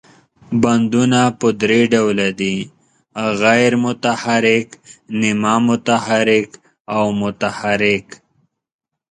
بندونه په درې ډوله دي، غیر متحرک، نیمه متحرک او متحرک.